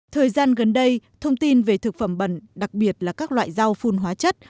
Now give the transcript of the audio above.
thời gian gần đây thông tin về thực phẩm bẩn đặc biệt là các loại rau phun hóa chất